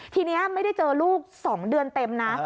ทีนี้ไม่ได้เจอลูก๒เดือนเต็มนะ